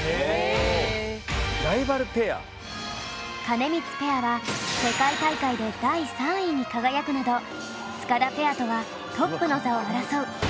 金光ペアは世界大会で第３位に輝くなど塚田ペアとはトップの座を争う宿敵です！